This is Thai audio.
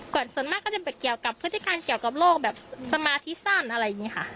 ส่วนมากก็จะไปเกี่ยวกับพฤติการเกี่ยวกับโรคแบบสมาธิสั้นอะไรอย่างนี้ค่ะ